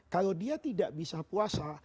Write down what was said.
kalau dia tidak bisa puasa